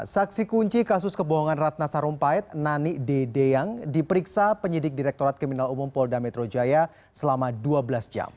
saksi kunci kasus kebohongan ratna sarumpait nani dede yang diperiksa penyidik direktorat kriminal umum polda metro jaya selama dua belas jam